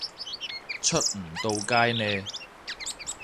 出唔到街呢